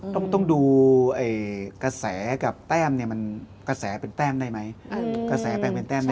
ต้องดูกระแสกับแต้มเด้นไหม